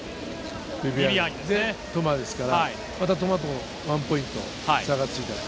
トマですから、またトマと１ポイント差がついたと。